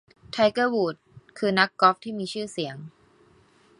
ไทเกอร์ วูดส์ คือนักกอล์ฟที่มีชื่อเสียง